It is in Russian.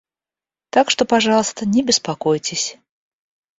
Так что, пожалуйста, не беспокойтесь.